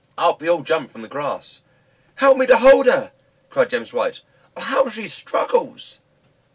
Up we all jumped from the grass. "Help me to hold her!" cried James White; "how she struggles!"